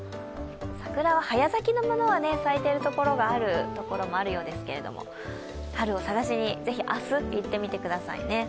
桜は早咲きのものは咲いている所もあるようですが、春を探しにぜひ、明日、行ってみてくださいね。